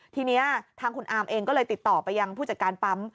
ทีนี้ทางคุณอาร์มเองก็เลยติดต่อไปยังผู้จัดการปั๊ม